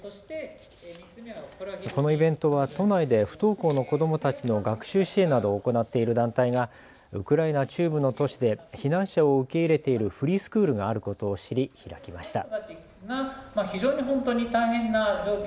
このイベントは都内で不登校の子どもたちの学習支援などを行っている団体がウクライナ中部の都市で避難者を受け入れているフリースクールがあることを知り開きました。